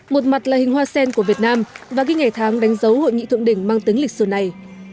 một mặt là hình hoa sen của việt nam và ghi ngày tháng đánh dấu hội nghị thượng đỉnh mang tính lịch sử này